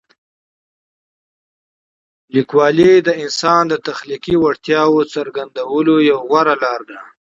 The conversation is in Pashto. لیکوالی د انسان د تخلیقي وړتیاوو څرګندولو یوه غوره لاره ده.